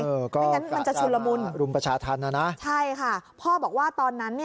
ไม่งั้นมันจะชุนละมุนใช่ค่ะพ่อบอกว่าตอนนั้น